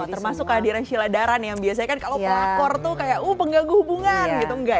termasuk hadirin sheila dharan yang biasanya kan kalau pelakor tuh kayak penggaguh hubungan gitu